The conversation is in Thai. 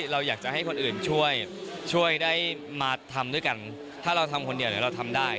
เราอยากจะให้คนอื่นช่วยช่วยได้มาทำด้วยกันถ้าเราทำคนเดียวเราทำได้